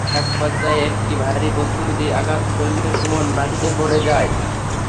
একপর্যায়ে একটি ভারী বস্তু দিয়ে আঘাত করলে সুমন মাটিতে পড়ে যায়।